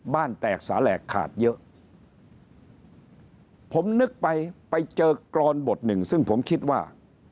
บ้านแตกสาแหลกขาดเยอะผมนึกไปไปเจอกรอนบทหนึ่งซึ่งผมคิดว่า